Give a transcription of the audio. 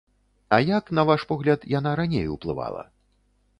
А як, на ваш погляд, яна раней уплывала?